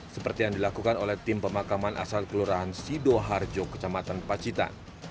seperti yang dilakukan oleh tim pemakaman asal kelurahan sido harjo kecamatan pacitan